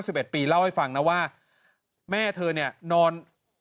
พี่ปรานีเล่าให้ฟังนะว่าแม่เธอนี่นอน